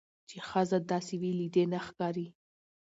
چې ښځه داسې وي. له دې نه ښکاري